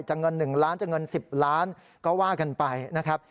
เงิน๑ล้านจะเงิน๑๐ล้านก็ว่ากันไปนะครับ